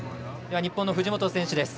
日本の藤本選手です。